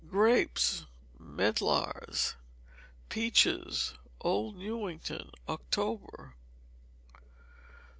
Grapes, medlars. Peaches: Old Newington, October.